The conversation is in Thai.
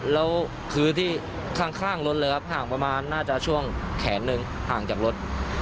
แล้วคือที่ข้างรถเลยครับห่างประมาณน่าจะช่วงแขนหนึ่งห่างจากรถ